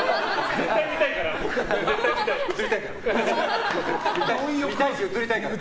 絶対に見たいからね。